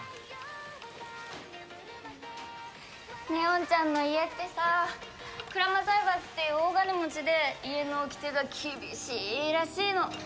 祢音ちゃんの家ってさ鞍馬財閥っていう大金持ちで家の掟が厳しいらしいの。